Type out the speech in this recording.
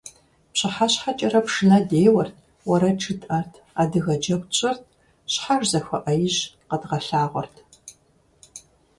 ПщыхьэщхьэкӀэрэ пшынэ деуэрт, уэрэд жытӀэрт, адыгэ джэгу тщӀырт - щхьэж зыхуэӀэижь къэдгъэлъагъуэрт.